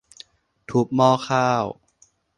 ทุบหม้อข้าว